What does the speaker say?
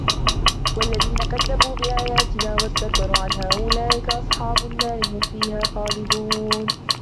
وَالَّذِينَ كَذَّبُوا بِآيَاتِنَا وَاسْتَكْبَرُوا عَنْهَا أُولَئِكَ أَصْحَابُ النَّارِ هُمْ فِيهَا خَالِدُونَ